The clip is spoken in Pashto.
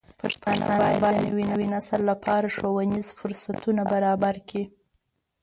پښتانه بايد د نوي نسل لپاره ښوونیز فرصتونه برابر کړي.